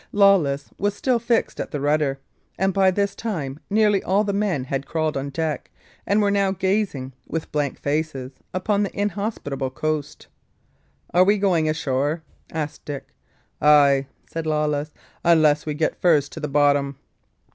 Lawless was still fixed at the rudder; and by this time nearly all the men had crawled on deck, and were now gazing, with blank faces, upon the inhospitable coast. "Are we going ashore?" asked Dick. "Ay," said Lawless, "unless we get first to the bottom."